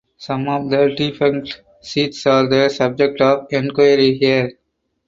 Some of the defunct seats are the subject of enquiry here.